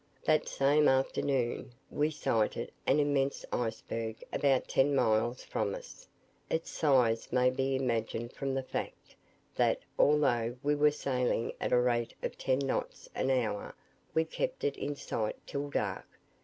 That same afternoon, we sighted an immense iceberg about ten miles from us. Its size may be imagined from the fact, that, although we were sailing at a rate of ten knots an hour, we kept it in sight till dark.